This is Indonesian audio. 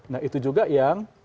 nah itu juga yang